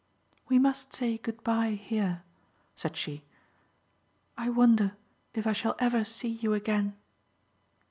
"We must say 'Good bye' here," said she. "I wonder if I shall ever see you again."